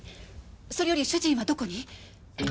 それより主人はどこに？